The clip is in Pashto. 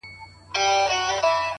و خوږ زړگي ته مي _